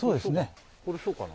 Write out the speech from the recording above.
これそうかな？